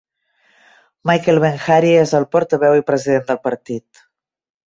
Michael Ben-Ari és el portaveu i president del partit.